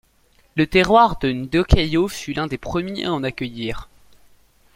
Le terroir de Ndokayo fut l'un des premiers à en accueillir.